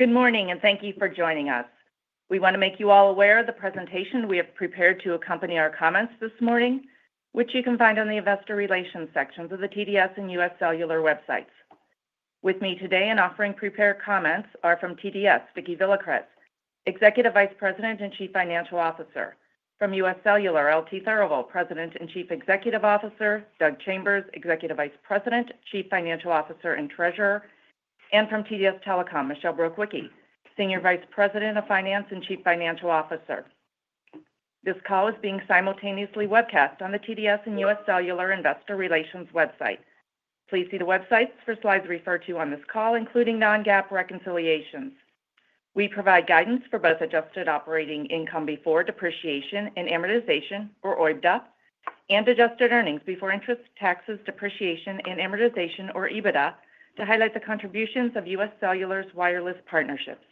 Good morning, and thank you for joining us. We want to make you all aware of the presentation we have prepared to accompany our comments this morning, which you can find on the Investor Relations sections of the TDS and UScellular websites. With me today in offering prepared comments are from TDS, Vicki Villacrez, Executive Vice President and Chief Financial Officer, from US Cellular, LT Therivel, President and Chief Executive Officer, Doug Chambers, Executive Vice President, Chief Financial Officer and Treasurer, and from TDS Telecom, Michelle Brukwicki, Senior Vice President of Finance and Chief Financial Officer. This call is being simultaneously webcast on the TDS and UScellular Investor Relations website. Please see the websites for slides referred to on this call, including non-GAAP reconciliations. We provide guidance for both adjusted operating income before depreciation and amortization, or OIBDA, and adjusted earnings before interest, taxes, depreciation, and amortization, or EBITDA, to highlight the contributions of UScellular's wireless partnerships.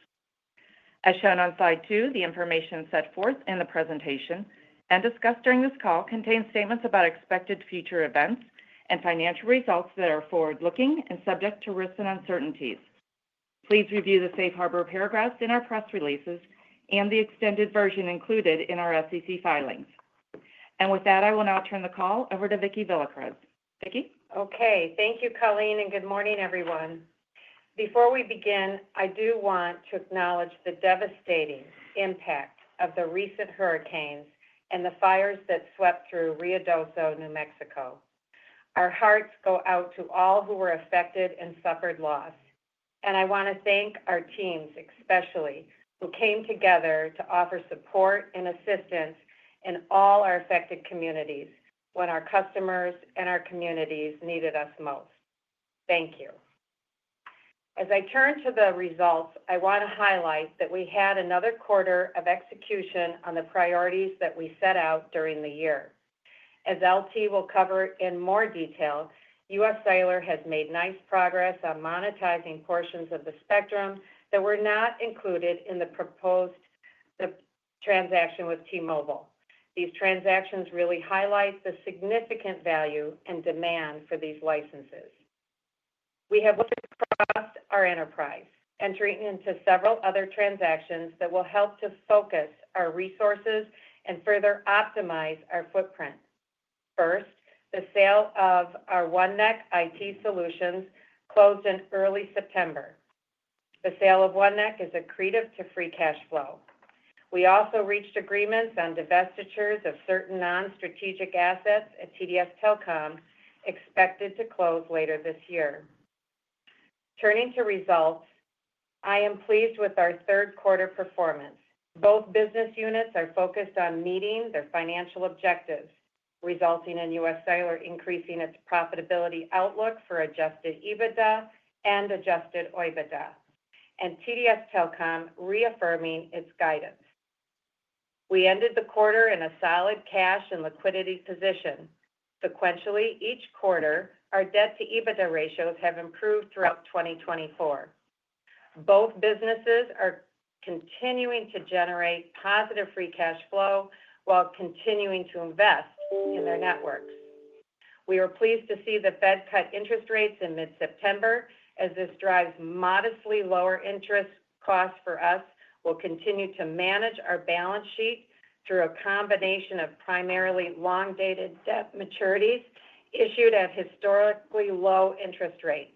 As shown on slide two, the information set forth in the presentation and discussed during this call contains statements about expected future events and financial results that are forward-looking and subject to risks and uncertainties. Please review the safe harbor paragraphs in our press releases and the extended version included in our SEC filings. And with that, I will now turn the call over to Vicki Villacrez. Vicki? Okay. Thank you, Colleen, and good morning, everyone. Before we begin, I do want to acknowledge the devastating impact of the recent hurricanes and the fires that swept through Ruidoso, New Mexico. Our hearts go out to all who were affected and suffered loss, and I want to thank our teams especially who came together to offer support and assistance in all our affected communities when our customers and our communities needed us most. Thank you. As I turn to the results, I want to highlight that we had another quarter of execution on the priorities that we set out during the year. As LT will cover in more detail, UScellular has made nice progress on monetizing portions of the spectrum that were not included in the proposed transaction with T-Mobile. These transactions really highlight the significant value and demand for these licenses. We have looked across our enterprise, entering into several other transactions that will help to focus our resources and further optimize our footprint. First, the sale of our OneNeck IT Solutions closed in early September. The sale of OneNeck is a creator of free cash flow. We also reached agreements on divestitures of certain non-strategic assets at TDS Telecom, expected to close later this year. Turning to results, I am pleased with our third quarter performance. Both business units are focused on meeting their financial objectives, resulting in UScellular increasing its profitability outlook for adjusted EBITDA and adjusted OIBDA, and TDS Telecom reaffirming its guidance. We ended the quarter in a solid cash and liquidity position. Sequentially, each quarter, our debt-to-EBITDA ratios have improved throughout 2024. Both businesses are continuing to generate positive free cash flow while continuing to invest in their networks. We are pleased to see the Fed cut interest rates in mid-September, as this drives modestly lower interest costs for us. We'll continue to manage our balance sheet through a combination of primarily long-dated debt maturities issued at historically low interest rates.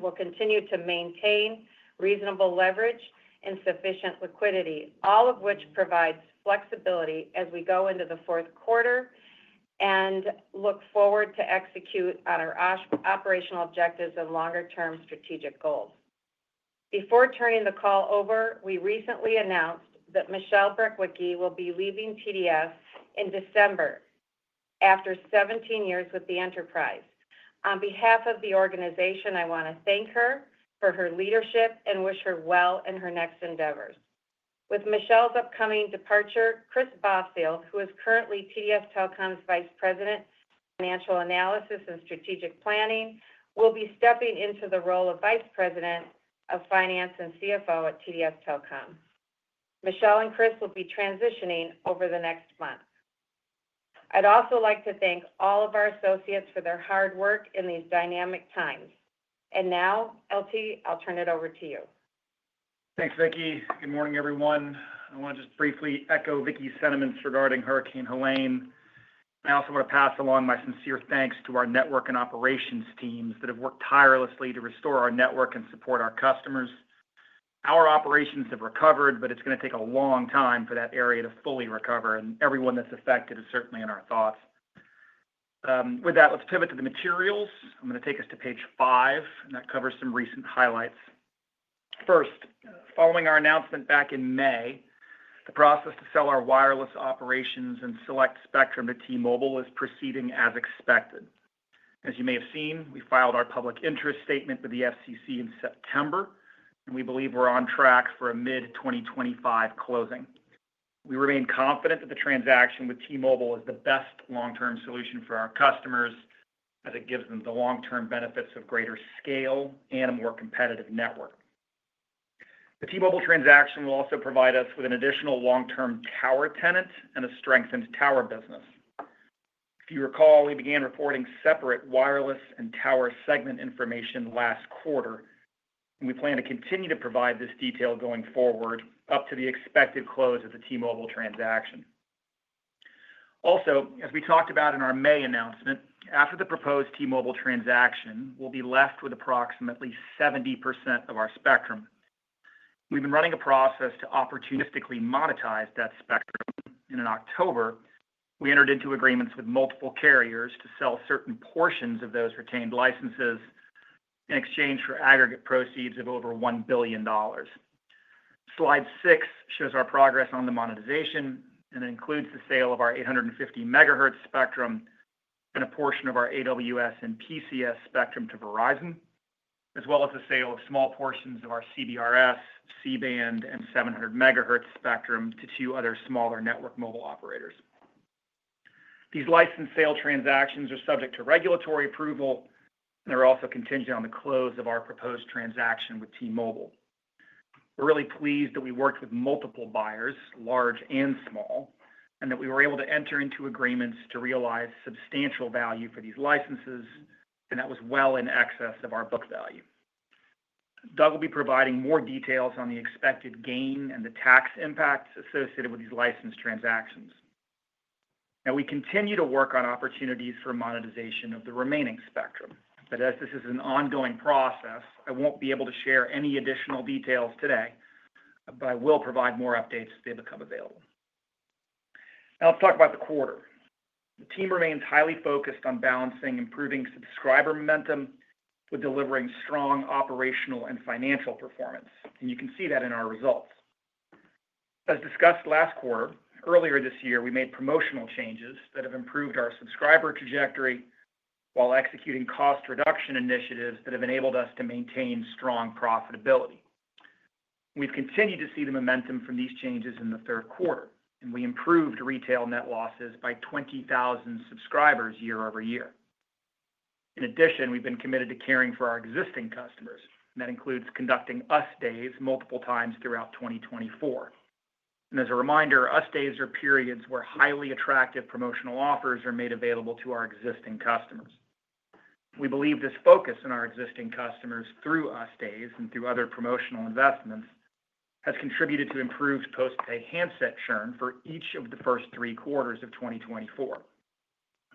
We'll continue to maintain reasonable leverage and sufficient liquidity, all of which provides flexibility as we go into the fourth quarter and look forward to execute on our operational objectives and longer-term strategic goals. Before turning the call over, we recently announced that Michelle Brukwicki will be leaving TDS in December after 17 years with the enterprise. On behalf of the organization, I want to thank her for her leadership and wish her well in her next endeavors. With Michelle's upcoming departure, Chris Bosfeld, who is currently TDS Telecom's Vice President of Financial Analysis and Strategic Planning, will be stepping into the role of Vice President of Finance and CFO at TDS Telecom. Michelle and Chris will be transitioning over the next month. I'd also like to thank all of our associates for their hard work in these dynamic times. And now, LT, I'll turn it over to you. Thanks, Vicki. Good morning, everyone. I want to just briefly echo Vicki's sentiments regarding Hurricane Helene. I also want to pass along my sincere thanks to our network and operations teams that have worked tirelessly to restore our network and support our customers. Our operations have recovered, but it's going to take a long time for that area to fully recover, and everyone that's affected is certainly in our thoughts. With that, let's pivot to the materials. I'm going to take us to page five, and that covers some recent highlights. First, following our announcement back in May, the process to sell our wireless operations and select spectrum to T-Mobile is proceeding as expected. As you may have seen, we filed our public interest statement with the FCC in September, and we believe we're on track for a mid-2025 closing. We remain confident that the transaction with T-Mobile is the best long-term solution for our customers as it gives them the long-term benefits of greater scale and a more competitive network. The T-Mobile transaction will also provide us with an additional long-term tower tenant and a strengthened tower business. If you recall, we began reporting separate wireless and tower segment information last quarter, and we plan to continue to provide this detail going forward up to the expected close of the T-Mobile transaction. Also, as we talked about in our May announcement, after the proposed T-Mobile transaction, we'll be left with approximately 70% of our spectrum. We've been running a process to opportunistically monetize that spectrum, and in October, we entered into agreements with multiple carriers to sell certain portions of those retained licenses in exchange for aggregate proceeds of over $1 billion. Slide six shows our progress on the monetization, and it includes the sale of our 850 MHz spectrum and a portion of our AWS and PCS spectrum to Verizon, as well as the sale of small portions of our CBRS, C-band, and 700 MHz spectrum to two other smaller network mobile operators. These license sale transactions are subject to regulatory approval, and they're also contingent on the close of our proposed transaction with T-Mobile. We're really pleased that we worked with multiple buyers, large and small, and that we were able to enter into agreements to realize substantial value for these licenses, and that was well in excess of our book value. Doug will be providing more details on the expected gain and the tax impacts associated with these license transactions. Now, we continue to work on opportunities for monetization of the remaining spectrum, but as this is an ongoing process, I won't be able to share any additional details today, but I will provide more updates as they become available. Now, let's talk about the quarter. The team remains highly focused on balancing improving subscriber momentum with delivering strong operational and financial performance, and you can see that in our results. As discussed last quarter, earlier this year, we made promotional changes that have improved our subscriber trajectory while executing cost reduction initiatives that have enabled us to maintain strong profitability. We've continued to see the momentum from these changes in the third quarter, and we improved retail net losses by 20,000 subscribers year-over-year. In addition, we've been committed to caring for our existing customers, and that includes conducting US Days multiple times throughout 2024. As a reminder, US Days are periods where highly attractive promotional offers are made available to our existing customers. We believe this focus on our existing customers through US Days and through other promotional investments has contributed to improved postpaid handset churn for each of the first three quarters of 2024.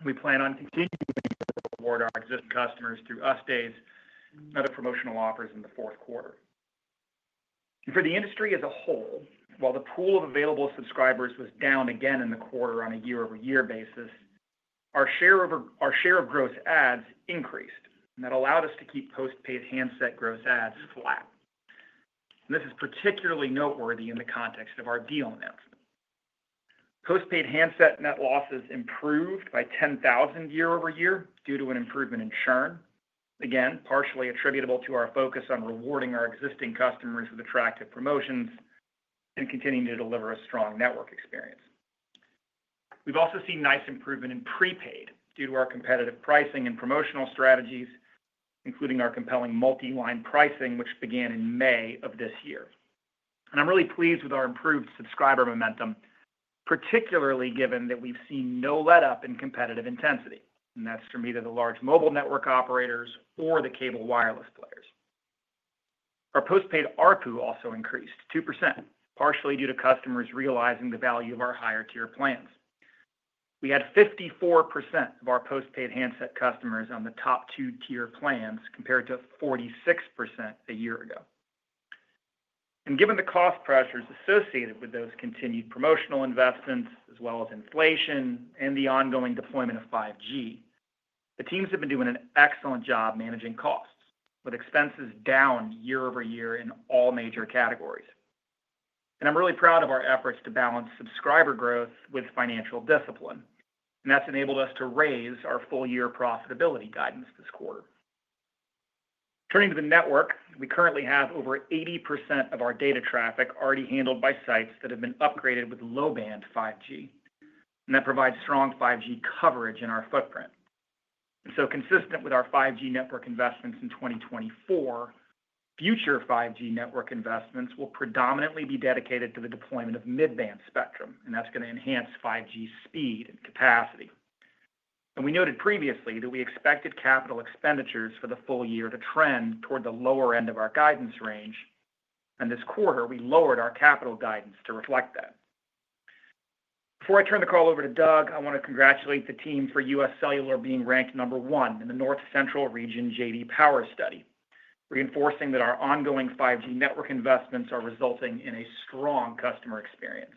We plan on continuing to reward our existing customers through US Days and other promotional offers in the fourth quarter. For the industry as a whole, while the pool of available subscribers was down again in the quarter on a year-over-year basis, our share of gross adds increased, and that allowed us to keep postpaid handset gross adds flat. This is particularly noteworthy in the context of our deal announcement.-Postpaid handset net losses improved by 10,000 year-over-year due to an improvement in churn, again, partially attributable to our focus on rewarding our existing customers with attractive promotions and continuing to deliver a strong network experience. We've also seen nice improvement in prepaid due to our competitive pricing and promotional strategies, including our compelling multi-line pricing, which began in May of this year. And I'm really pleased with our improved subscriber momentum, particularly given that we've seen no let-up in competitive intensity, and that's from either the large mobile network operators or the cable wireless players. Our Postpaid ARPU also increased 2%, partially due to customers realizing the value of our higher-tier plans. We had 54% of our Postpaid handset customers on the top two-tier plans compared to 46% a year ago. And given the cost pressures associated with those continued promotional investments, as well as inflation and the ongoing deployment of 5G, the teams have been doing an excellent job managing costs, with expenses down year-over-year in all major categories. And I'm really proud of our efforts to balance subscriber growth with financial discipline, and that's enabled us to raise our full-year profitability guidance this quarter. Turning to the network, we currently have over 80% of our data traffic already handled by sites that have been upgraded with low-band 5G, and that provides strong 5G coverage in our footprint. And so, consistent with our 5G network investments in 2024, future 5G network investments will predominantly be dedicated to the deployment of mid-band spectrum, and that's going to enhance 5G speed and capacity. We noted previously that we expected capital expenditures for the full year to trend toward the lower end of our guidance range, and this quarter, we lowered our capital guidance to reflect that. Before I turn the call over to Doug, I want to congratulate the team for UScellular being ranked number one in the North Central Region J.D. Power study, reinforcing that our ongoing 5G network investments are resulting in a strong customer experience.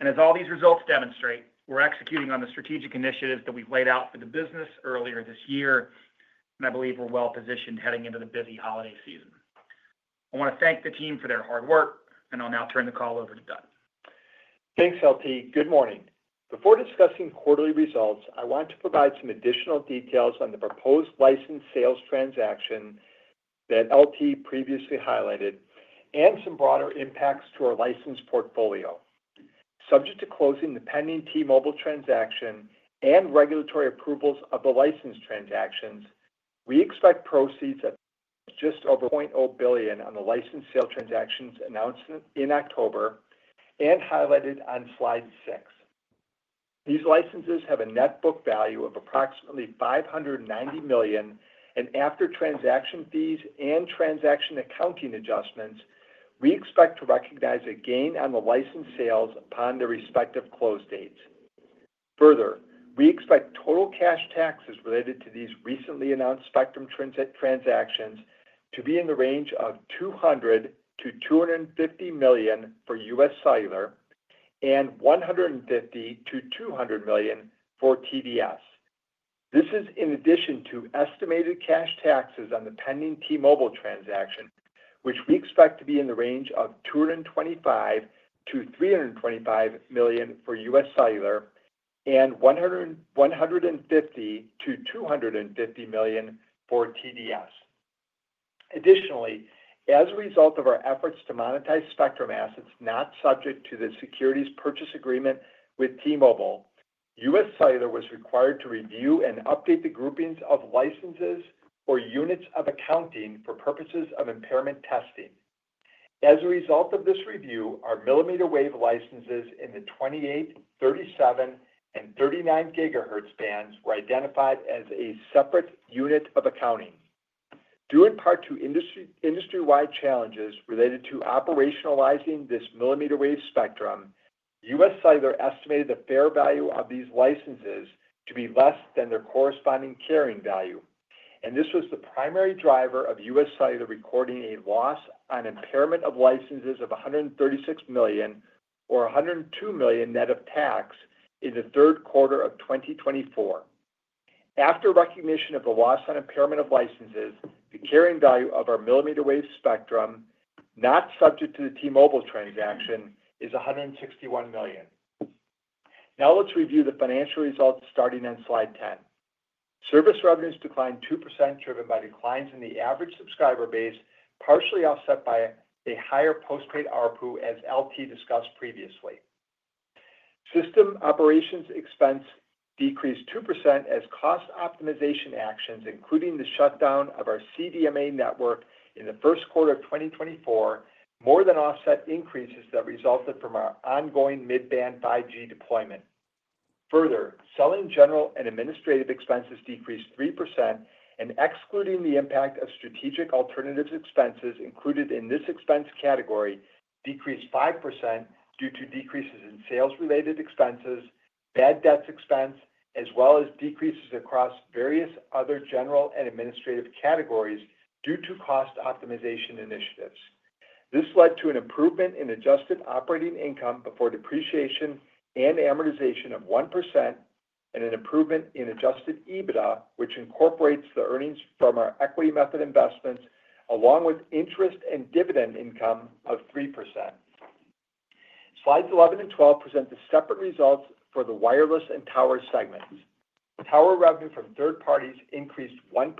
As all these results demonstrate, we're executing on the strategic initiatives that we've laid out for the business earlier this year, and I believe we're well-positioned heading into the busy holiday season. I want to thank the team for their hard work, and I'll now turn the call over to Doug. Thanks, LT. Good morning. Before discussing quarterly results, I want to provide some additional details on the proposed license sales transaction that LT previously highlighted and some broader impacts to our license portfolio. Subject to closing the pending T-Mobile transaction and regulatory approvals of the license transactions, we expect proceeds of just over $1.0 billion on the license sale transactions announced in October and highlighted on slide six. These licenses have a net book value of approximately $590 million, and after transaction fees and transaction accounting adjustments, we expect to recognize a gain on the license sales upon their respective close dates. Further, we expect total cash taxes related to these recently announced spectrum transactions to be in the range of $200 million-$250 million for UScellular and $150 million-$200 million for TDS. This is in addition to estimated cash taxes on the pending T-Mobile transaction, which we expect to be in the range of $225 million-$325 million for UScellular and $150 million-$250 million for TDS. Additionally, as a result of our efforts to monetize spectrum assets not subject to the securities purchase agreement with T-Mobile, UScellular was required to review and update the groupings of licenses or units of accounting for purposes of impairment testing. As a result of this review, our millimeter wave licenses in the 28, 37, and 39 gigahertz bands were identified as a separate unit of accounting. Due in part to industry-wide challenges related to operationalizing this millimeter wave spectrum, UScellular estimated the fair value of these licenses to be less than their corresponding carrying value, and this was the primary driver of U.S. Cellular recording a loss on impairment of licenses of $136 million or $102 million net of tax in the third quarter of 2024. After recognition of the loss on impairment of licenses, the carrying value of our millimeter wave spectrum, not subject to the T-Mobile transaction, is $161 million. Now, let's review the financial results starting on slide 10. Service revenues declined 2%, driven by declines in the average subscriber base, partially offset by a higher postpaid ARPU, as LT discussed previously. System operations expense decreased 2% as cost optimization actions, including the shutdown of our CDMA network in the first quarter of 2024, more than offset increases that resulted from our ongoing mid-band 5G deployment. Further, selling, general, and administrative expenses decreased 3%, and excluding the impact of strategic alternatives expenses included in this expense category, decreased 5% due to decreases in sales-related expenses, bad debts expense, as well as decreases across various other general and administrative categories due to cost optimization initiatives. This led to an improvement in Adjusted operating income before depreciation and amortization of 1% and an improvement in Adjusted EBITDA, which incorporates the earnings from our equity method investments, along with interest and dividend income of 3%. Slides 11 and 12 present the separate results for the wireless and tower segments. Tower revenue from third parties increased 1%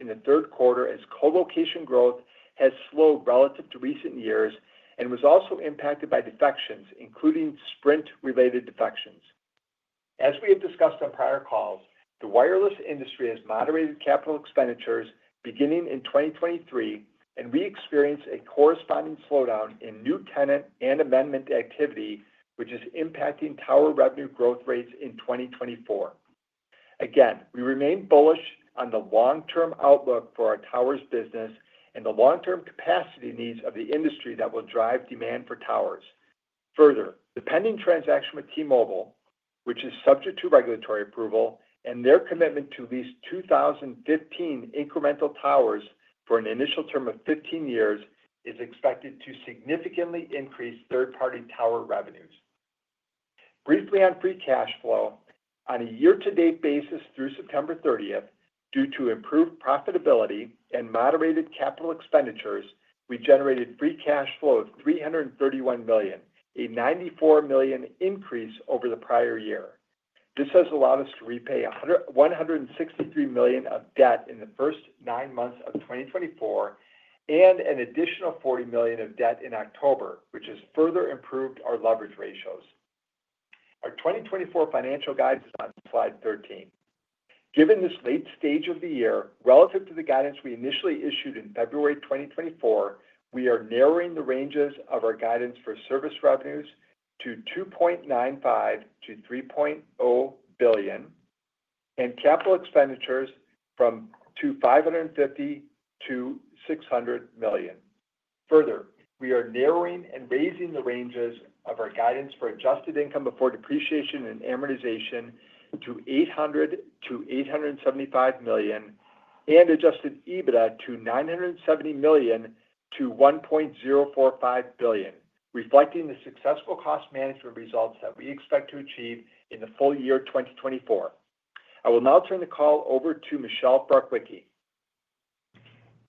in the third quarter as colocation growth has slowed relative to recent years and was also impacted by defections, including Sprint-related defections. As we have discussed on prior calls, the wireless industry has moderated capital expenditures beginning in 2023, and we experienced a corresponding slowdown in new tenant and amendment activity, which is impacting tower revenue growth rates in 2024. Again, we remain bullish on the long-term outlook for our towers business and the long-term capacity needs of the industry that will drive demand for towers. Further, the pending transaction with T-Mobile, which is subject to regulatory approval, and their commitment to at least 2,015 incremental towers for an initial term of 15 years is expected to significantly increase third-party tower revenues. Briefly on free cash flow, on a year-to-date basis through September 30th, due to improved profitability and moderated capital expenditures, we generated free cash flow of $331 million, a $94 million increase over the prior year. This has allowed us to repay $163 million of debt in the first nine months of 2024 and an additional $40 million of debt in October, which has further improved our leverage ratios. Our 2024 financial guidance is on slide 13. Given this late stage of the year, relative to the guidance we initially issued in February 2024, we are narrowing the ranges of our guidance for service revenues to $2.95 billion-$3.0 billion and capital expenditures from $550 million-$600 million. Further, we are narrowing and raising the ranges of our guidance for adjusted income before depreciation and amortization to $800 million-$875 million and Adjusted EBITDA to $970 million-$1.045 billion, reflecting the successful cost management results that we expect to achieve in the full year 2024. I will now turn the call over to Michelle Brukwicki.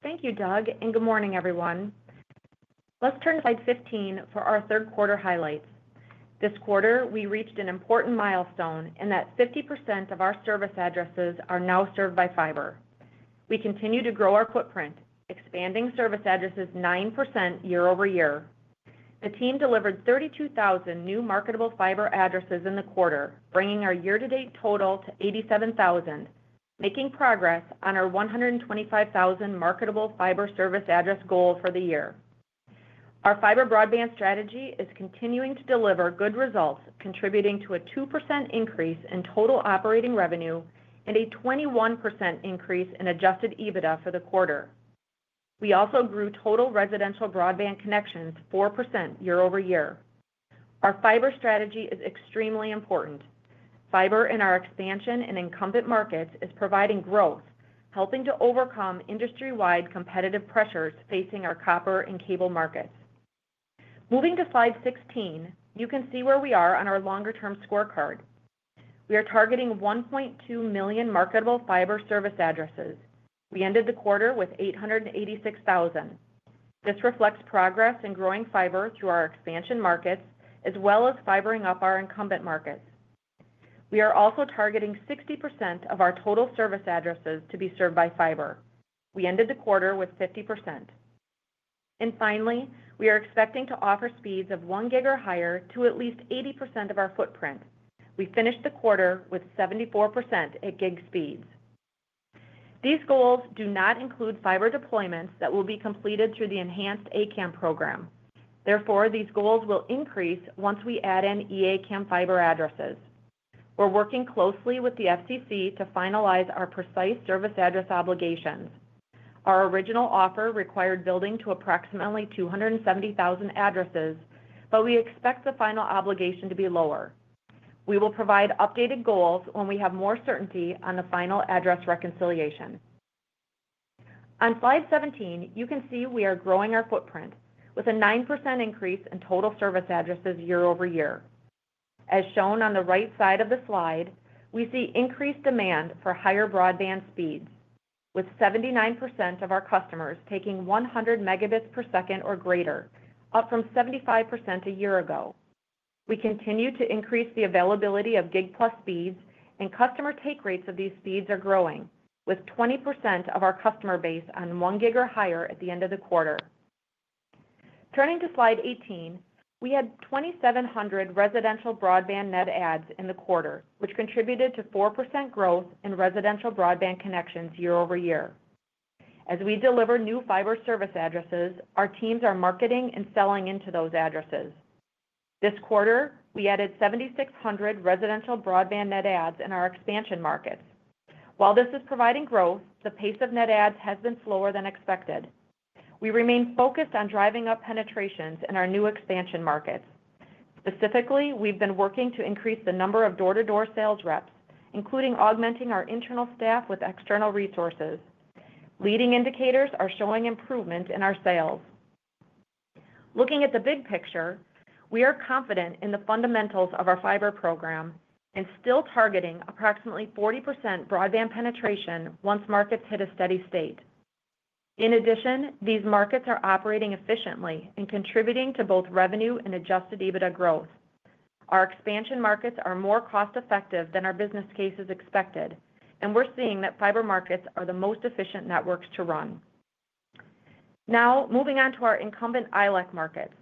Thank you, Doug, and good morning, everyone. Let's turn to slide 15 for our third quarter highlights. This quarter, we reached an important milestone in that 50% of our service addresses are now served by fiber. We continue to grow our footprint, expanding service addresses 9% year-over-year. The team delivered 32,000 new marketable fiber addresses in the quarter, bringing our year-to-date total to 87,000, making progress on our 125,000 marketable fiber service address goal for the year. Our fiber broadband strategy is continuing to deliver good results, contributing to a 2% increase in total operating revenue and a 21% increase in Adjusted EBITDA for the quarter. We also grew total residential broadband connections 4% year-over-year. Our fiber strategy is extremely important. Fiber in our expansion and incumbent markets is providing growth, helping to overcome industry-wide competitive pressures facing our copper and cable markets. Moving to slide 16, you can see where we are on our longer-term scorecard. We are targeting 1.2 million marketable fiber service addresses. We ended the quarter with 886,000. This reflects progress in growing fiber through our expansion markets, as well as fibering up our incumbent markets. We are also targeting 60% of our total service addresses to be served by fiber. We ended the quarter with 50%. And finally, we are expecting to offer speeds of one gig or higher to at least 80% of our footprint. We finished the quarter with 74% at gig speeds. These goals do not include fiber deployments that will be completed through the enhanced A-CAM program. Therefore, these goals will increase once we add in E-ACAM fiber addresses. We're working closely with the FCC to finalize our precise service address obligations. Our original offer required building to approximately 270,000 addresses, but we expect the final obligation to be lower. We will provide updated goals when we have more certainty on the final address reconciliation. On slide 17, you can see we are growing our footprint with a 9% increase in total service addresses year-over-year. As shown on the right side of the slide, we see increased demand for higher broadband speeds, with 79% of our customers taking 100 megabits per second or greater, up from 75% a year ago. We continue to increase the availability of Gig-plus speeds, and customer take rates of these speeds are growing, with 20% of our customer base on one gig or higher at the end of the quarter. Turning to slide 18, we had 2,700 residential broadband net adds in the quarter, which contributed to 4% growth in residential broadband connections year-over-year. As we deliver new fiber service addresses, our teams are marketing and selling into those addresses. This quarter, we added 7,600 residential broadband net adds in our expansion markets. While this is providing growth, the pace of net adds has been slower than expected. We remain focused on driving up penetrations in our new expansion markets. Specifically, we've been working to increase the number of door-to-door sales reps, including augmenting our internal staff with external resources. Leading indicators are showing improvement in our sales. Looking at the big picture, we are confident in the fundamentals of our fiber program and still targeting approximately 40% broadband penetration once markets hit a steady state. In addition, these markets are operating efficiently and contributing to both revenue and Adjusted EBITDA growth. Our expansion markets are more cost-effective than our business cases expected, and we're seeing that fiber markets are the most efficient networks to run. Now, moving on to our incumbent ILEC markets.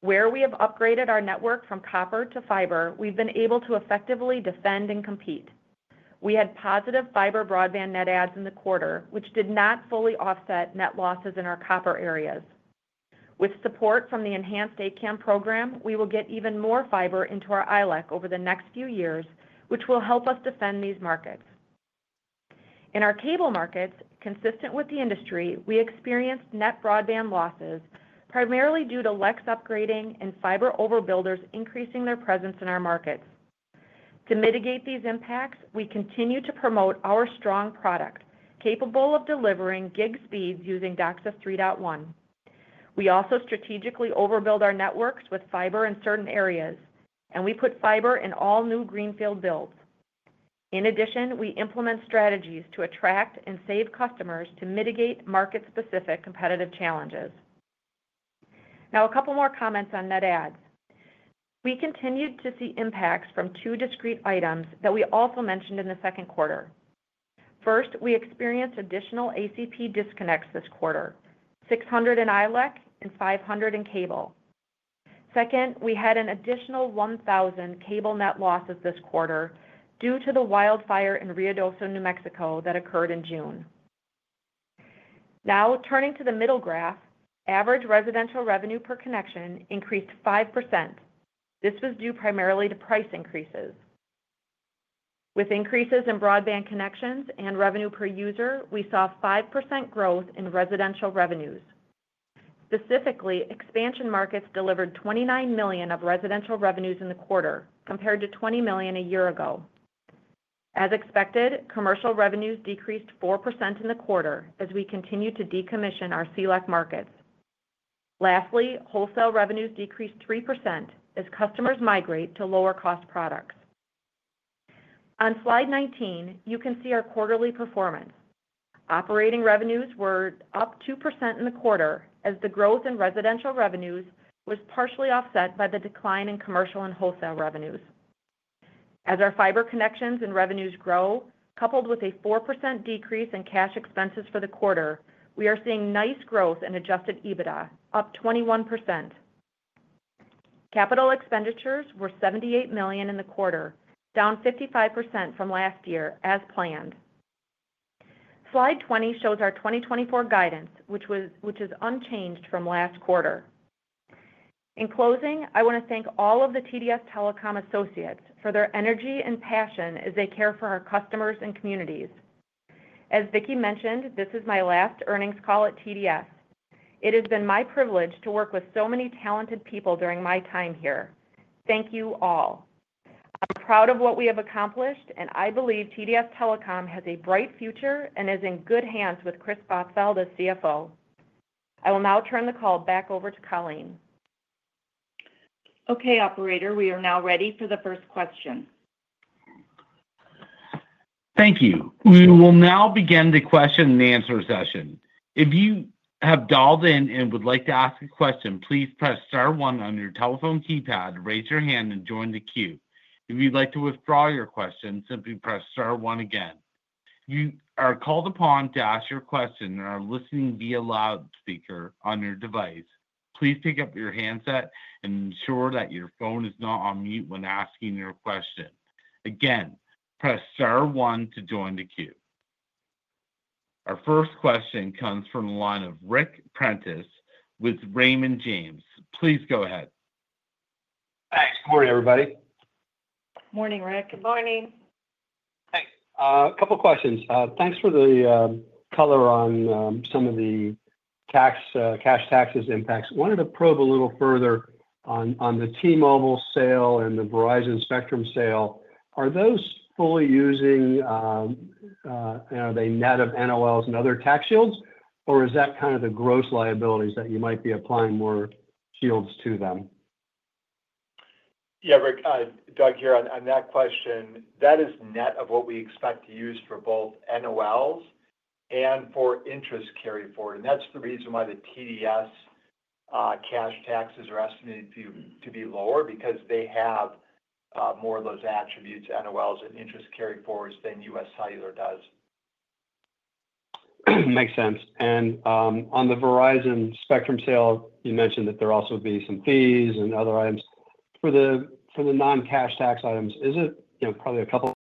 Where we have upgraded our network from copper to fiber, we've been able to effectively defend and compete. We had positive fiber broadband net adds in the quarter, which did not fully offset net losses in our copper areas. With support from the enhanced A-CAM program, we will get even more fiber into our ILEC over the next few years, which will help us defend these markets. In our cable markets, consistent with the industry, we experienced net broadband losses, primarily due to ILEC upgrading and fiber overbuilders increasing their presence in our markets. To mitigate these impacts, we continue to promote our strong product, capable of delivering gig speeds using DOCSIS 3.1. We also strategically overbuild our networks with fiber in certain areas, and we put fiber in all new greenfield builds. In addition, we implement strategies to attract and save customers to mitigate market-specific competitive challenges. Now, a couple more comments on net adds. We continued to see impacts from two discrete items that we also mentioned in the second quarter. First, we experienced additional ACP disconnects this quarter, 600 in ILEC and 500 in cable. Second, we had an additional 1,000 cable net losses this quarter due to the wildfire in Ruidoso, New Mexico, that occurred in June. Now, turning to the middle graph, average residential revenue per connection increased 5%. This was due primarily to price increases. With increases in broadband connections and revenue per user, we saw 5% growth in residential revenues. Specifically, expansion markets delivered $29 million of residential revenues in the quarter, compared to $20 million a year ago. As expected, commercial revenues decreased 4% in the quarter as we continue to decommission our CLEC markets. Lastly, wholesale revenues decreased 3% as customers migrate to lower-cost products. On slide 19, you can see our quarterly performance. Operating revenues were up 2% in the quarter as the growth in residential revenues was partially offset by the decline in commercial and wholesale revenues. As our fiber connections and revenues grow, coupled with a 4% decrease in cash expenses for the quarter, we are seeing nice growth in adjusted EBITDA, up 21%. Capital expenditures were $78 million in the quarter, down 55% from last year, as planned. Slide 20 shows our 2024 guidance, which is unchanged from last quarter. In closing, I want to thank all of the TDS Telecom Associates for their energy and passion as they care for our customers and communities. As Vicki mentioned, this is my last earnings call at TDS. It has been my privilege to work with so many talented people during my time here. Thank you all. I'm proud of what we have accomplished, and I believe TDS Telecom has a bright future and is in good hands with Chris Bosfeld, CFO. I will now turn the call back over to Colleen. Okay, Operator, we are now ready for the first question. Thank you. We will now begin the question and answer session. If you have dialed in and would like to ask a question, please press star one on your telephone keypad, raise your hand, and join the queue. If you'd like to withdraw your question, simply press star one again. You are called upon to ask your question and are listening via loudspeaker on your device. Please pick up your handset and ensure that your phone is not on mute when asking your question. Again, press star one to join the queue. Our first question comes from the line of Ric Prentiss with Raymond James. Please go ahead. Thanks. Good morning, everybody. Morning, Ric. Good morning. Hey. A couple of questions. Thanks for the color on some of the cash taxes impacts. Wanted to probe a little further on the T-Mobile sale and the Verizon Spectrum sale. Are they net of NOLs and other tax shields, or is that kind of the gross liabilities that you might be applying more shields to them? Yeah, Ric, Doug here on that question. That is net of what we expect to use for both NOLs and for interest carry forward. And that's the reason why the TDS cash taxes are estimated to be lower, because they have more of those attributes, NOLs and interest carry forwards, than UScellular does. Makes sense. And on the Verizon Spectrum sale, you mentioned that there also would be some fees and other items. For the non-cash tax items, is it probably a couple?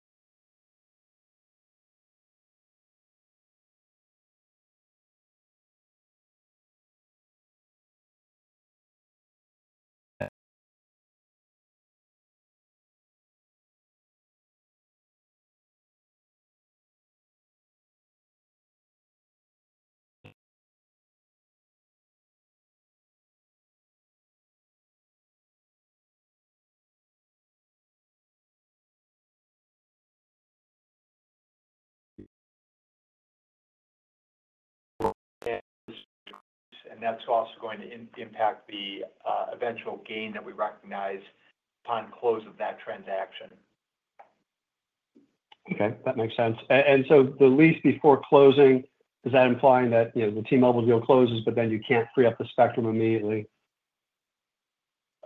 That's also going to impact the eventual gain that we recognize upon close of that transaction. Okay. That makes sense, and so the lease before closing, is that implying that the T-Mobile deal closes, but then you can't free up the spectrum immediately?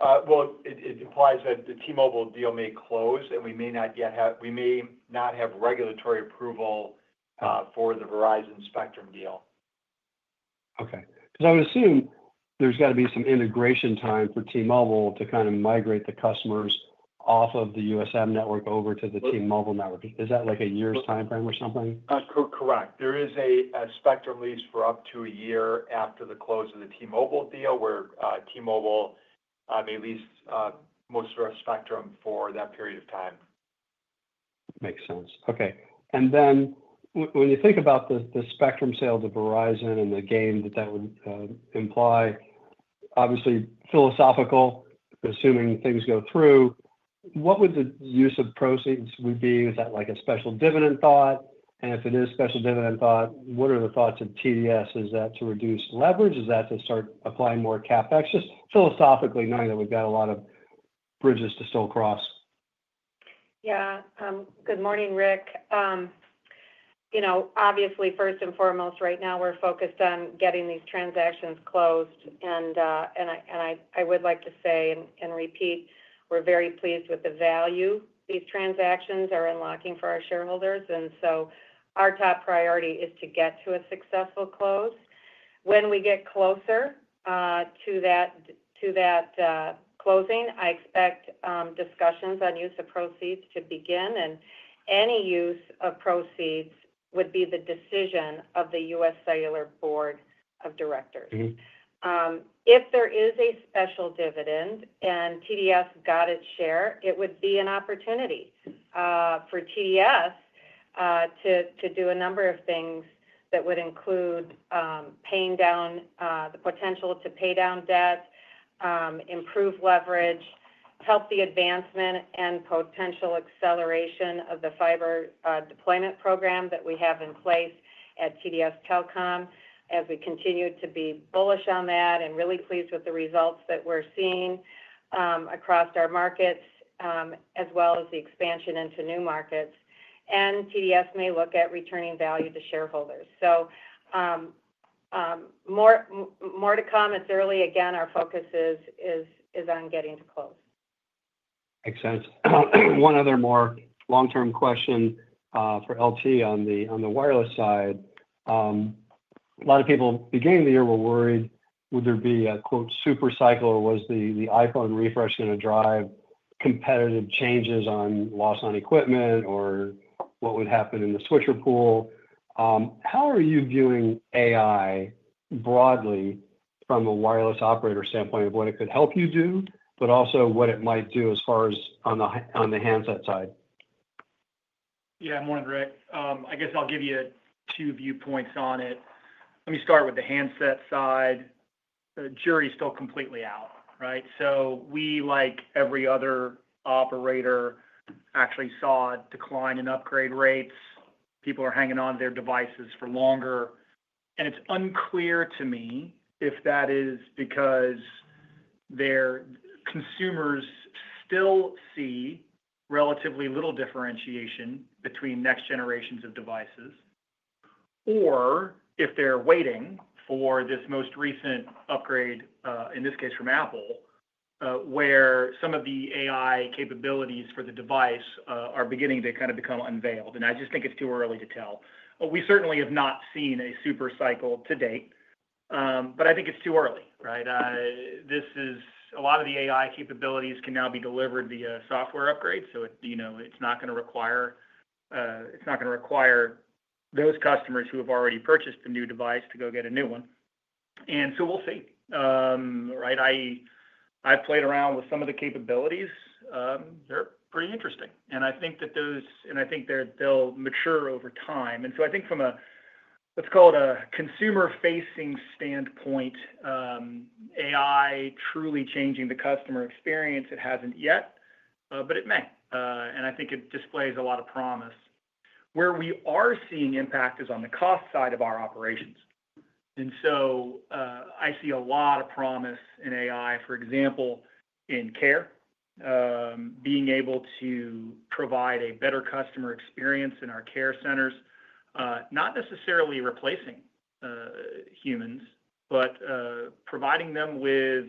It implies that the T-Mobile deal may close, and we may not yet have regulatory approval for the Verizon Spectrum deal. Okay. Because I would assume there's got to be some integration time for T-Mobile to kind of migrate the customers off of the UScellular network over to the T-Mobile network. Is that like a year's timeframe or something? Correct. There is a spectrum lease for up to a year after the close of the T-Mobile deal, where T-Mobile may lease most of our spectrum for that period of time. Makes sense. Okay. And then when you think about the spectrum sale to Verizon and the gain that that would imply, obviously philosophical, assuming things go through, what would the use of proceeds be? Is that like a special dividend thought? And if it is special dividend thought, what are the thoughts of TDS? Is that to reduce leverage? Is that to start applying more CapEx? Just philosophically, knowing that we've got a lot of bridges to still cross. Yeah. Good morning, Ric. Obviously, first and foremost, right now we're focused on getting these transactions closed. And I would like to say and repeat, we're very pleased with the value these transactions are unlocking for our shareholders. And so our top priority is to get to a successful close. When we get closer to that closing, I expect discussions on use of proceeds to begin. And any use of proceeds would be the decision of the UScellular Board of Directors. If there is a special dividend and TDS got its share, it would be an opportunity for TDS to do a number of things that would include paying down the potential to pay down debt, improve leverage, help the advancement, and potential acceleration of the fiber deployment program that we have in place at TDS Telecom, as we continue to be bullish on that and really pleased with the results that we're seeing across our markets, as well as the expansion into new markets. And TDS may look at returning value to shareholders. So more to come. It's early. Again, our focus is on getting to close. Makes sense. One other more long-term question for LT on the wireless side. A lot of people, beginning of the year, were worried, would there be a "supercycle" or was the iPhone refresh going to drive competitive changes on loss on equipment or what would happen in the switcher pool? How are you viewing AI broadly from a wireless operator standpoint of what it could help you do, but also what it might do as far as on the handset side? Yeah. Morning, Ric. I guess I'll give you two viewpoints on it. Let me start with the handset side. The jury's still completely out, right? So we, like every other operator, actually saw a decline in upgrade rates. People are hanging on to their devices for longer. And it's unclear to me if that is because their consumers still see relatively little differentiation between next generations of devices, or if they're waiting for this most recent upgrade, in this case from Apple, where some of the AI capabilities for the device are beginning to kind of become unveiled. And I just think it's too early to tell. We certainly have not seen a supercycle to date, but I think it's too early, right? A lot of the AI capabilities can now be delivered via software upgrade, so it's not going to require those customers who have already purchased the new device to go get a new one. And so we'll see, right? I've played around with some of the capabilities. They're pretty interesting. And I think that those will mature over time. And so I think from a, let's call it a consumer-facing standpoint, AI truly changing the customer experience, it hasn't yet, but it may. And I think it displays a lot of promise. Where we are seeing impact is on the cost side of our operations. And so I see a lot of promise in AI, for example, in care, being able to provide a better customer experience in our care centers, not necessarily replacing humans, but providing them with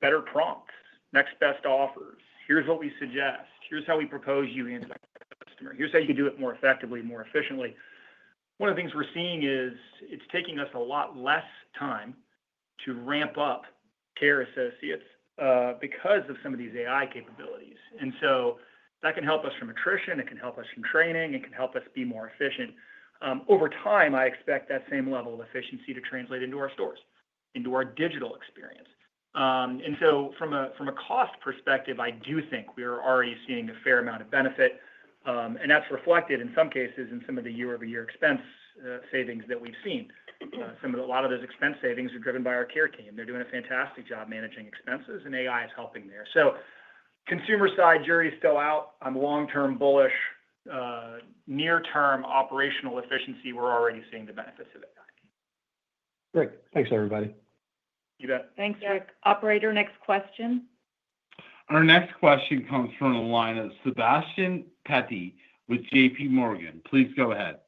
better prompts, next best offers. Here's what we suggest. Here's how we propose you handle that customer. Here's how you can do it more effectively, more efficiently. One of the things we're seeing is it's taking us a lot less time to ramp up care associates because of some of these AI capabilities. And so that can help us from attrition. It can help us from training. It can help us be more efficient. Over time, I expect that same level of efficiency to translate into our stores, into our digital experience. And so from a cost perspective, I do think we are already seeing a fair amount of benefit. And that's reflected in some cases in some of the year-over-year expense savings that we've seen. A lot of those expense savings are driven by our care team. They're doing a fantastic job managing expenses, and AI is helping there. So consumer side, jury's still out. I'm long-term bullish. Near-term operational efficiency, we're already seeing the benefits of AI. Great. Thanks, everybody. You bet. Thanks, Ric. Operator, next question. Our next question comes from the line of Sebastiano Petti with JPMorgan. Please go ahead.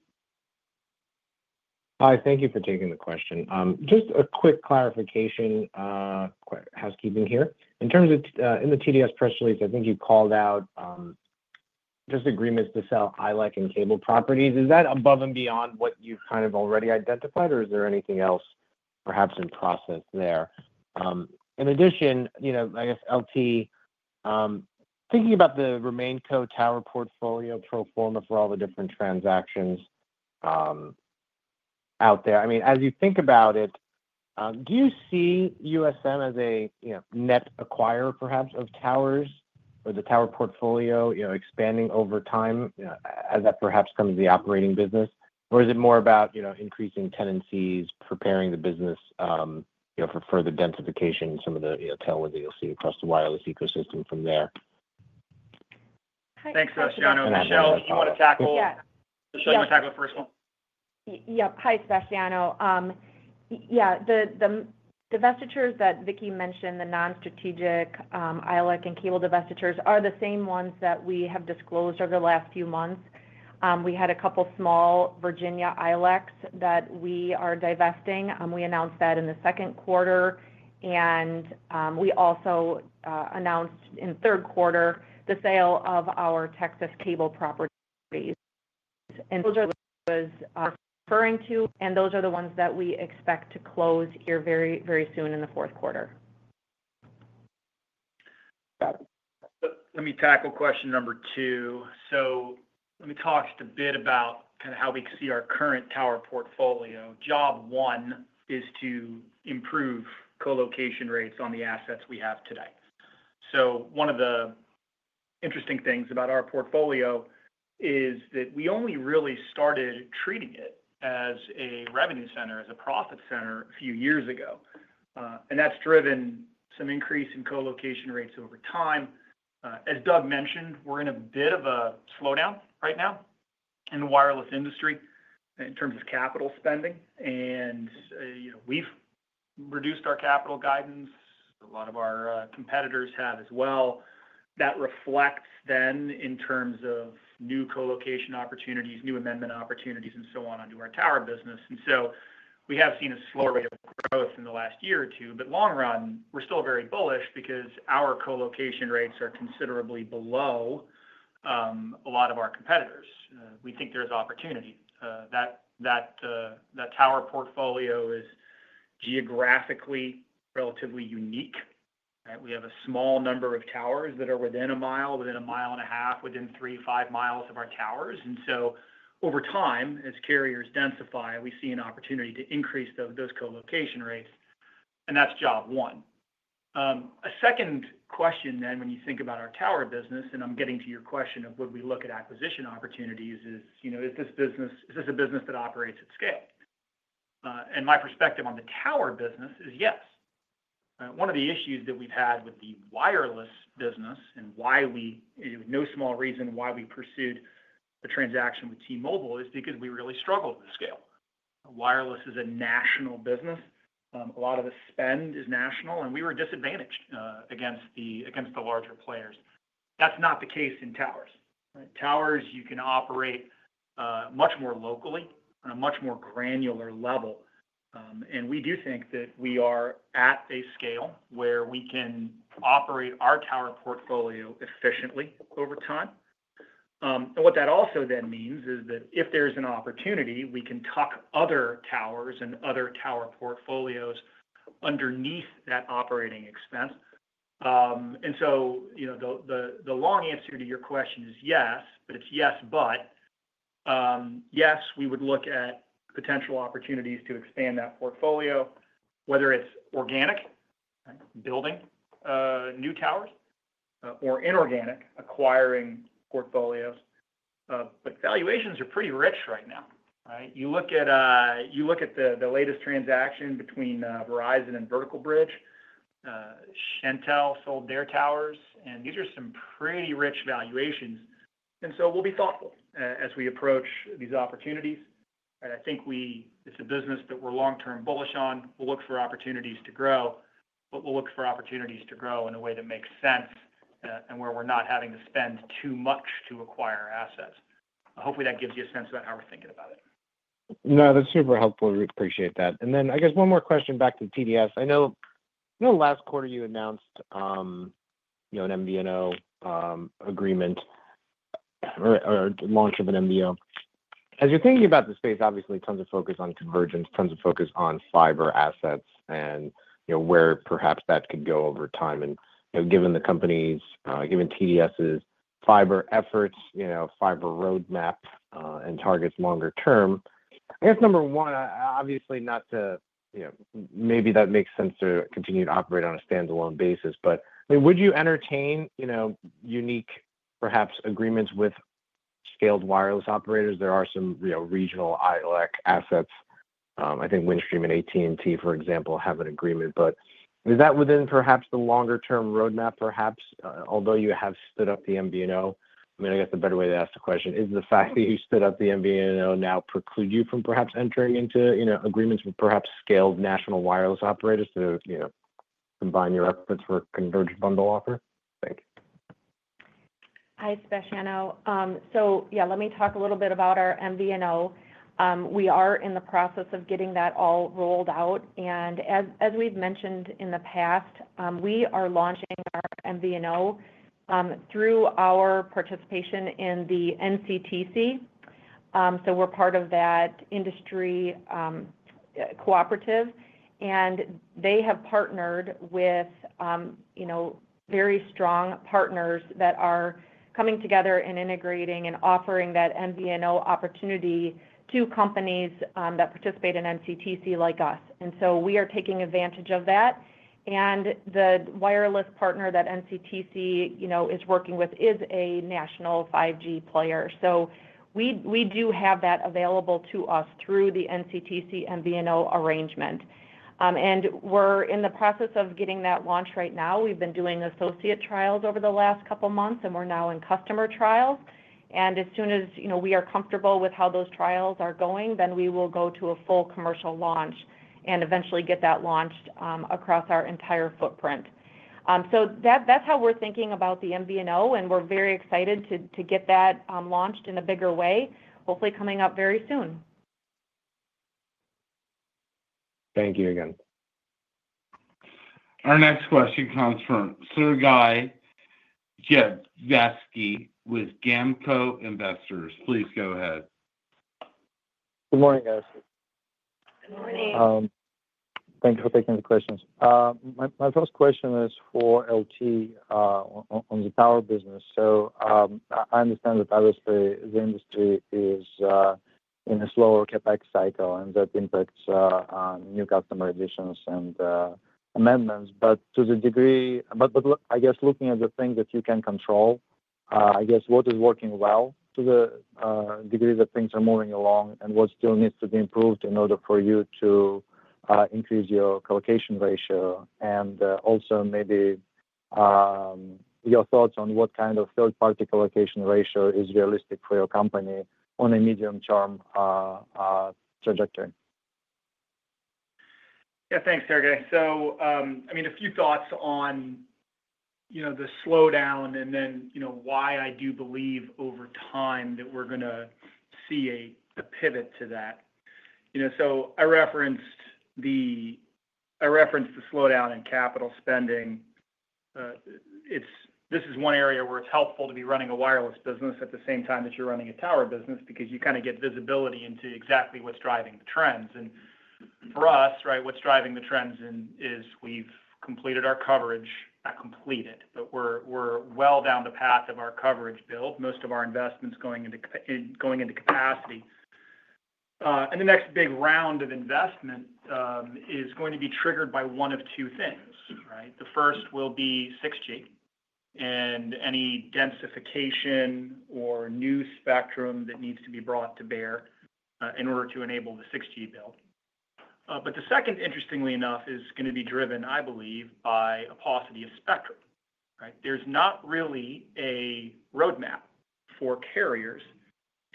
Hi. Thank you for taking the question. Just a quick clarification, housekeeping here. In the TDS press release, I think you called out agreements to sell ILEC and cable properties. Is that above and beyond what you've kind of already identified, or is there anything else perhaps in process there? In addition, I guess LT, thinking about the RemainCo tower portfolio pro forma for all the different transactions out there, I mean, as you think about it, do you see USM as a net acquirer, perhaps, of towers or the tower portfolio expanding over time as that perhaps comes to the operating business? Or is it more about increasing tenancies, preparing the business for further densification, some of the tailwinds that you'll see across the wireless ecosystem from there? Thanks, Sebastiano. Michelle, do you want to tackle? Yeah. Michelle, do you want to tackle the first one? Yep. Hi, Sebastiano. Yeah. The divestitures that Vicki mentioned, the non-strategic ILEC and cable divestitures, are the same ones that we have disclosed over the last few months. We had a couple of small Virginia ILECs that we are divesting. We announced that in the second quarter. And we also announced in third quarter the sale of our Texas cable properties. And those are the ones I was referring to, and those are the ones that we expect to close here very, very soon in the fourth quarter. Got it. Let me tackle question number two. So let me talk just a bit about kind of how we see our current tower portfolio. Job one is to improve colocation rates on the assets we have today. So one of the interesting things about our portfolio is that we only really started treating it as a revenue center, as a profit center a few years ago. And that's driven some increase in colocation rates over time. As Doug mentioned, we're in a bit of a slowdown right now in the wireless industry in terms of capital spending. And we've reduced our capital guidance. A lot of our competitors have as well. That reflects then in terms of new colocation opportunities, new amendment opportunities, and so on into our tower business. And so we have seen a slower rate of growth in the last year or two. Long run, we're still very bullish because our colocation rates are considerably below a lot of our competitors. We think there's opportunity. That tower portfolio is geographically relatively unique. We have a small number of towers that are within a mile, within a mile and a half, within three, five miles of our towers. And so over time, as carriers densify, we see an opportunity to increase those colocation rates. And that's job one. A second question then, when you think about our tower business, and I'm getting to your question of would we look at acquisition opportunities, is this a business that operates at scale? And my perspective on the tower business is yes. One of the issues that we've had with the wireless business and why we, no small reason why we pursued the transaction with T-Mobile, is because we really struggled with scale. Wireless is a national business. A lot of the spend is national, and we were disadvantaged against the larger players. That's not the case in towers. Towers, you can operate much more locally on a much more granular level. And we do think that we are at a scale where we can operate our tower portfolio efficiently over time. And what that also then means is that if there's an opportunity, we can tuck other towers and other tower portfolios underneath that operating expense. And so the long answer to your question is yes, but it's yes, but yes, we would look at potential opportunities to expand that portfolio, whether it's organic, building new towers, or inorganic, acquiring portfolios. But valuations are pretty rich right now, right? You look at the latest transaction between Verizon and Vertical Bridge. Shentel sold their towers, and these are some pretty rich valuations. And so we'll be thoughtful as we approach these opportunities. And I think it's a business that we're long-term bullish on. We'll look for opportunities to grow, but we'll look for opportunities to grow in a way that makes sense and where we're not having to spend too much to acquire assets. Hopefully, that gives you a sense about how we're thinking about it. No, that's super helpful. We appreciate that. And then I guess one more question back to TDS. I know last quarter you announced an MVNO agreement or launch of an MVNO. As you're thinking about the space, obviously, tons of focus on convergence, tons of focus on fiber assets and where perhaps that could go over time. And given the companies, given TDS's fiber efforts, fiber roadmap, and targets longer term, I guess number one, obviously, not to, maybe that makes sense to continue to operate on a standalone basis, but would you entertain unique, perhaps, agreements with scaled wireless operators? There are some regional ILEC assets. I think Windstream and AT&T, for example, have an agreement. But is that within perhaps the longer-term roadmap, perhaps, although you have stood up the MVNO? I mean, I guess the better way to ask the question is the fact that you stood up the MVNO now preclude you from perhaps entering into agreements with perhaps scaled national wireless operators to combine your efforts for a converged bundle offer? Thank you. Hi, Sebastiano. So yeah, let me talk a little bit about our MVNO. We are in the process of getting that all rolled out. And as we've mentioned in the past, we are launching our MVNO through our participation in the NCTC. So we're part of that industry cooperative. And they have partnered with very strong partners that are coming together and integrating and offering that MVNO opportunity to companies that participate in NCTC like us. And so we are taking advantage of that. And the wireless partner that NCTC is working with is a national 5G player. So we do have that available to us through the NCTC MVNO arrangement. And we're in the process of getting that launch right now. We've been doing associate trials over the last couple of months, and we're now in customer trials. As soon as we are comfortable with how those trials are going, then we will go to a full commercial launch and eventually get that launched across our entire footprint. That's how we're thinking about the MVNO, and we're very excited to get that launched in a bigger way, hopefully coming up very soon. Thank you again. Our next question comes from Sergey Dluzhevskiy with GAMCO Investors. Please go ahead. Good morning, guys. Good morning. Thank you for taking the questions. My first question is for LT on the tower business. So I understand that obviously the industry is in a slower CapEx cycle, and that impacts new customer additions and amendments. But to the degree, but I guess looking at the things that you can control, I guess what is working well to the degree that things are moving along and what still needs to be improved in order for you to increase your colocation ratio? And also maybe your thoughts on what kind of third-party colocation ratio is realistic for your company on a medium-term trajectory. Yeah, thanks, Sergey. So I mean, a few thoughts on the slowdown and then why I do believe over time that we're going to see a pivot to that. So I referenced the slowdown in capital spending. This is one area where it's helpful to be running a wireless business at the same time that you're running a tower business because you kind of get visibility into exactly what's driving the trends. And for us, right, what's driving the trends is we've completed our coverage. Not completed, but we're well down the path of our coverage build. Most of our investment's going into capacity. And the next big round of investment is going to be triggered by one of two things, right? The first will be 6G and any densification or new spectrum that needs to be brought to bear in order to enable the 6G build. But the second, interestingly enough, is going to be driven, I believe, by a paucity of spectrum, right? There's not really a roadmap for carriers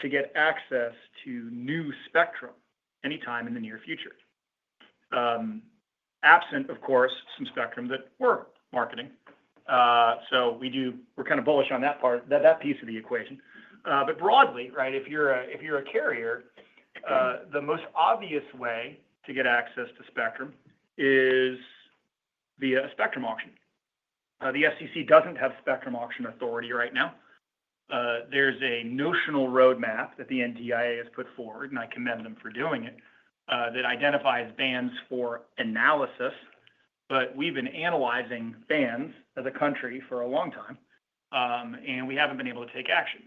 to get access to new spectrum anytime in the near future, absent, of course, some spectrum that we're marketing. So we're kind of bullish on that piece of the equation. But broadly, right, if you're a carrier, the most obvious way to get access to spectrum is via a spectrum auction. The FCC doesn't have spectrum auction authority right now. There's a notional roadmap that the NTIA has put forward, and I commend them for doing it, that identifies bands for analysis. But we've been analyzing bands as a country for a long time, and we haven't been able to take action.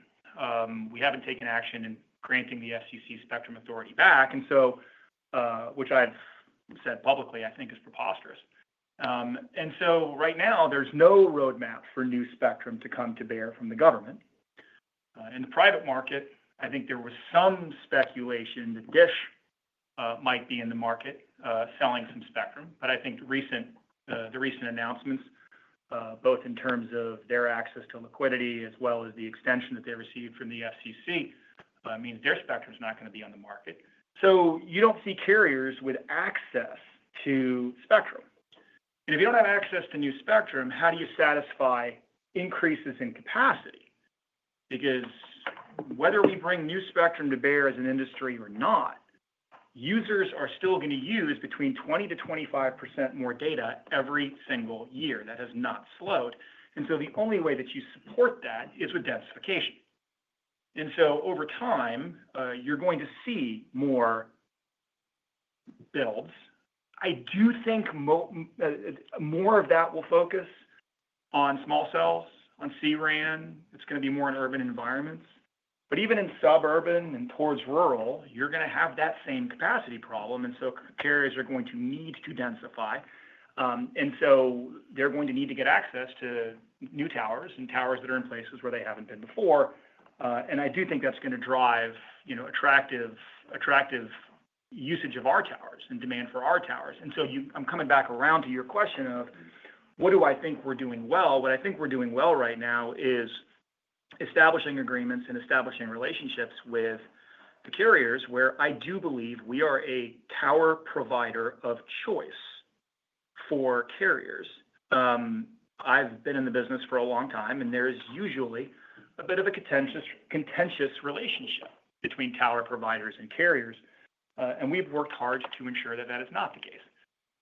We haven't taken action in granting the FCC spectrum authority back, which I've said publicly, I think, is preposterous. Right now, there's no roadmap for new spectrum to come to bear from the government. In the private market, I think there was some speculation that DISH might be in the market selling some spectrum. I think the recent announcements, both in terms of their access to liquidity as well as the extension that they received from the SEC, means their spectrum's not going to be on the market. You don't see carriers with access to spectrum. If you don't have access to new spectrum, how do you satisfy increases in capacity? Because whether we bring new spectrum to bear as an industry or not, users are still going to use between 20%-25% more data every single year. That has not slowed. The only way that you support that is with densification. And so over time, you're going to see more builds. I do think more of that will focus on small cells, on C-RAN. It's going to be more in urban environments. But even in suburban and towards rural, you're going to have that same capacity problem. And so carriers are going to need to densify. And so they're going to need to get access to new towers and towers that are in places where they haven't been before. And I do think that's going to drive attractive usage of our towers and demand for our towers. And so I'm coming back around to your question of what do I think we're doing well? What I think we're doing well right now is establishing agreements and establishing relationships with the carriers where I do believe we are a tower provider of choice for carriers. I've been in the business for a long time, and there is usually a bit of a contentious relationship between tower providers and carriers, and we've worked hard to ensure that that is not the case,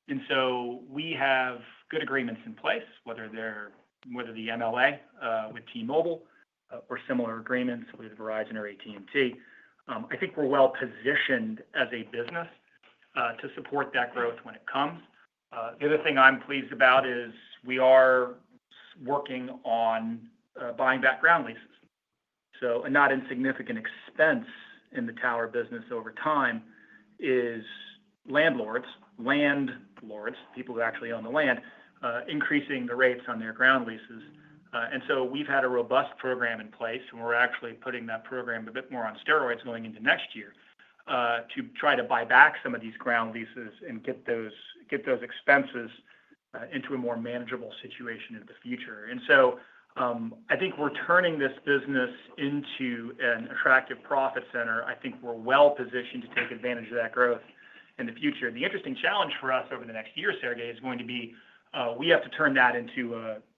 and so we have good agreements in place, whether they're with the MLA with T-Mobile or similar agreements with Verizon or AT&T. I think we're well positioned as a business to support that growth when it comes. The other thing I'm pleased about is we are working on buying back ground leases, so a not insignificant expense in the tower business over time is landlords, people who actually own the land, increasing the rates on their ground leases. And so we've had a robust program in place, and we're actually putting that program a bit more on steroids going into next year to try to buy back some of these ground leases and get those expenses into a more manageable situation in the future. And so I think we're turning this business into an attractive profit center. I think we're well positioned to take advantage of that growth in the future. The interesting challenge for us over the next year, Sergey, is going to be we have to turn that into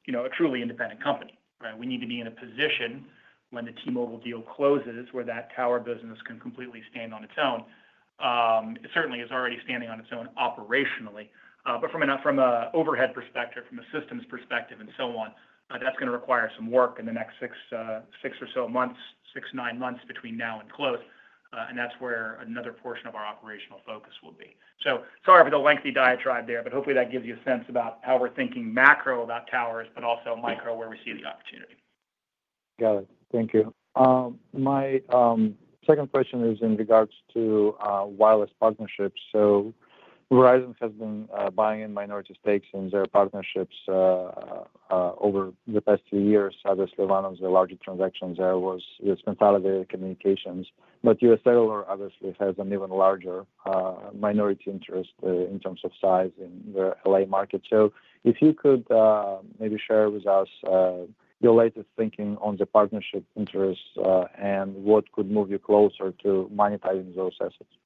a truly independent company, right? We need to be in a position when the T-Mobile deal closes where that tower business can completely stand on its own. It certainly is already standing on its own operationally. But from an overhead perspective, from a systems perspective, and so on, that's going to require some work in the next six or so months, six, nine months between now and close. And that's where another portion of our operational focus will be. So sorry for the lengthy diatribe there, but hopefully that gives you a sense about how we're thinking macro about towers, but also micro where we see the opportunity. Got it. Thank you. My second question is in regards to wireless partnerships. So Verizon has been buying in minority stakes in their partnerships over the past few years. Obviously, one of the larger transactions there was with Consolidated Communications. But UScellular obviously has an even larger minority interest in terms of size in the LA market. So if you could maybe share with us your latest thinking on the partnership interests and what could move you closer to monetizing those assets?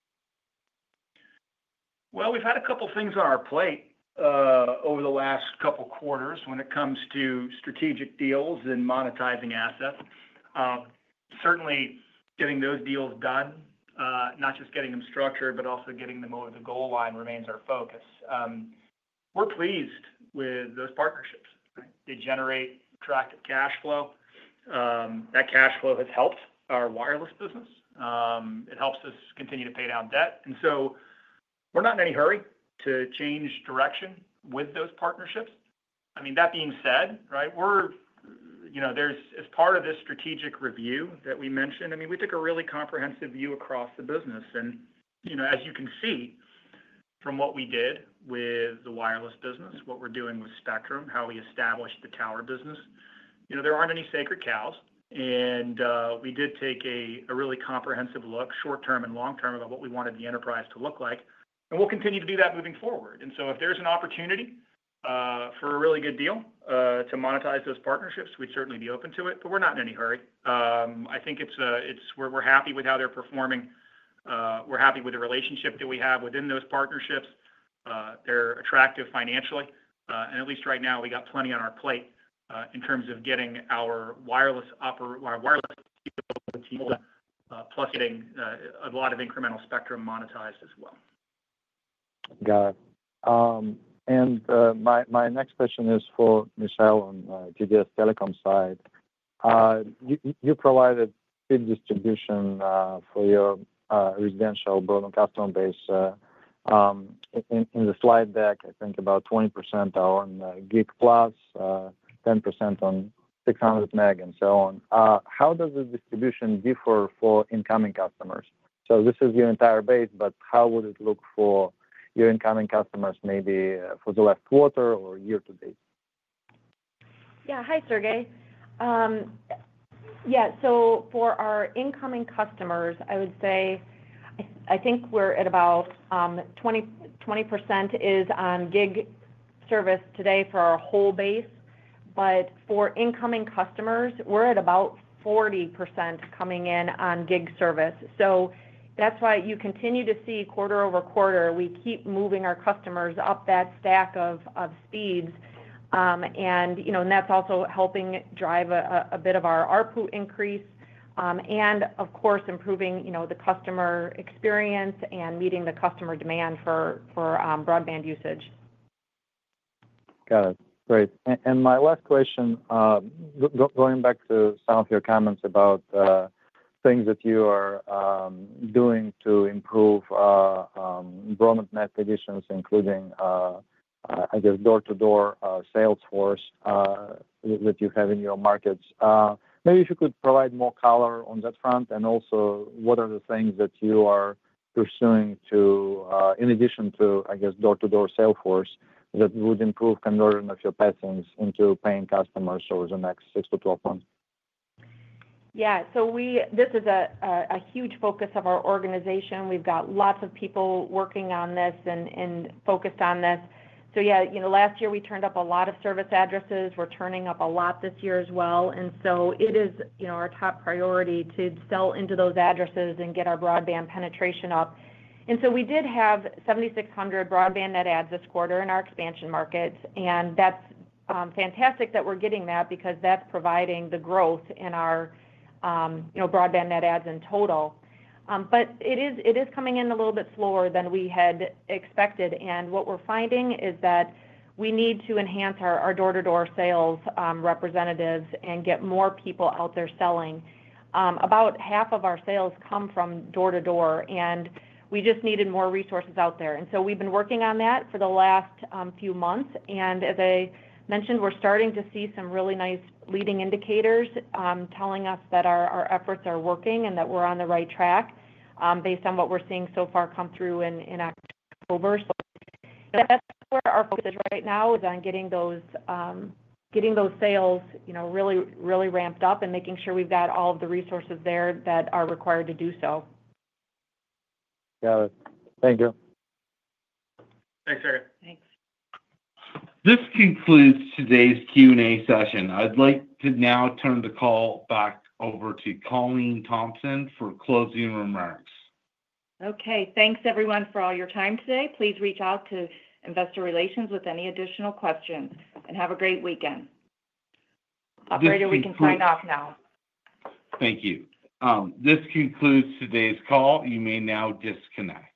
We've had a couple of things on our plate over the last couple of quarters when it comes to strategic deals and monetizing assets. Certainly, getting those deals done, not just getting them structured, but also getting them over the goal line remains our focus. We're pleased with those partnerships. They generate attractive cash flow. That cash flow has helped our wireless business. It helps us continue to pay down debt. So we're not in any hurry to change direction with those partnerships. I mean, that being said, right, as part of this strategic review that we mentioned, I mean, we took a really comprehensive view across the business. As you can see from what we did with the wireless business, what we're doing with spectrum, how we established the tower business, there aren't any sacred cows. And we did take a really comprehensive look, short-term and long-term, about what we wanted the enterprise to look like. And we'll continue to do that moving forward. And so if there's an opportunity for a really good deal to monetize those partnerships, we'd certainly be open to it. But we're not in any hurry. I think we're happy with how they're performing. We're happy with the relationship that we have within those partnerships. They're attractive financially. And at least right now, we got plenty on our plate in terms of getting our wireless capability plus. Getting a lot of incremental spectrum monetized as well. Got it. And my next question is for Michelle on TDS Telecom side. You provided speed distribution for your residential broadband base. In the slide deck, I think about 20% are on Gig-plus, 10% on 600 Meg, and so on. How does the distribution differ for incoming customers? So this is your entire base, but how would it look for your incoming customers maybe for the last quarter or year to date? Yeah. Hi, Sergey. Yeah. So for our incoming customers, I would say I think we're at about 20% on gig service today for our whole base. But for incoming customers, we're at about 40% coming in on gig service. So that's why you continue to see quarter over quarter, we keep moving our customers up that stack of speeds. And that's also helping drive a bit of our output increase and, of course, improving the customer experience and meeting the customer demand for broadband usage. Got it. Great. And my last question, going back to some of your comments about things that you are doing to improve broadband net additions, including, I guess, door-to-door sales force that you have in your markets. Maybe if you could provide more color on that front. And also, what are the things that you are pursuing in addition to, I guess, door-to-door sales force that would improve conversion of your passings into paying customers over the next six to 12 months? Yeah, so this is a huge focus of our organization. We've got lots of people working on this and focused on this, so yeah, last year, we turned up a lot of service addresses. We're turning up a lot this year as well, and so it is our top priority to sell into those addresses and get our broadband penetration up, and so we did have 7,600 broadband net adds this quarter in our expansion market, and that's fantastic that we're getting that because that's providing the growth in our broadband net adds in total, but it is coming in a little bit slower than we had expected, and what we're finding is that we need to enhance our door-to-door sales representatives and get more people out there selling. About half of our sales come from door-to-door, and we just needed more resources out there. We've been working on that for the last few months. As I mentioned, we're starting to see some really nice leading indicators telling us that our efforts are working and that we're on the right track based on what we're seeing so far come through in October. That's where our focus is right now, is on getting those sales really ramped up and making sure we've got all of the resources there that are required to do so. Got it. Thank you. Thanks, Sergey. Thanks. This concludes today's Q&A session. I'd like to now turn the call back over to Colleen Thompson for closing remarks. Okay. Thanks, everyone, for all your time today. Please reach out to Investor Relations with any additional questions. And have a great weekend. Operator, we can sign off now. Thank you. This concludes today's call. You may now disconnect.